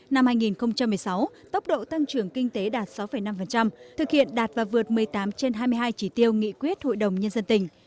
năm hai nghìn một mươi sáu tốc độ tăng trưởng kinh tế đạt sáu năm thực hiện đạt và vượt một mươi tám trên hai mươi hai chỉ tiêu nghị quyết hội đồng nhân dân tỉnh